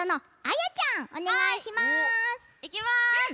いきます！